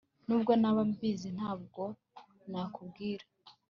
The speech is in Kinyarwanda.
Nubwo naba mbizi ntabwo nakubwira